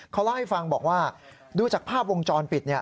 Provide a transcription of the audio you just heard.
เค้าล่าให้ฟังบอกว่าดูจากภาพวงจรปิด